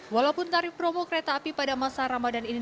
walaupun tarif promo kereta api pada masa ramadan ini